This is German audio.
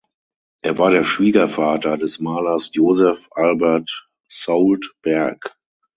Er war der Schwiegervater des Malers Josef Albert Soult Berg.